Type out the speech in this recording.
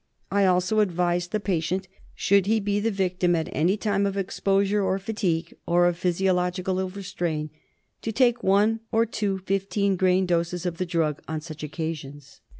I also advise the patient, should he be the victim at any time of exposure or fatigue, or of physiological overstrain, to take one or two fifteen grain doses of the drug on such occasions.